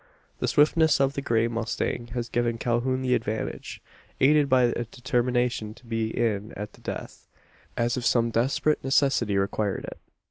The swiftness of the grey mustang has given Calhoun the advantage; aided by a determination to be in at the death as if some desperate necessity required it.